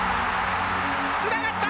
つながった！